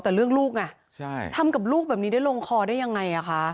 แต่เรื่องลูกไงใช่ทำกับลูกแบบนี้ได้ลงคอได้ยังไงอ่ะคะ